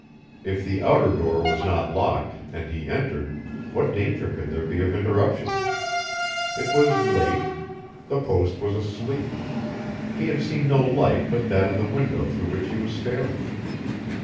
If the outer door was not locked, and he entered, what danger could there be of interruption? It was late. The post was asleep. He had seen no light but that in the window through which he was staring.